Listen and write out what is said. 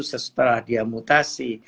setelah dia mutasi